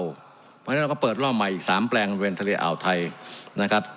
เพราะฉะนั้นเราก็เปิดรอบใหม่อีก๓แปลงบริเวณทะเลอ่าวไทยนะครับ